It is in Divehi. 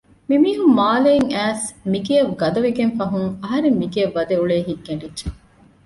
މިމީހުން މާލެއިން އައިސް މިގެޔަށް ގަދަވެގަތް ފަހުން އަހަރެން މިގެޔަށް ވަދެއުޅޭ ހިތް ކެނޑިއްޖެ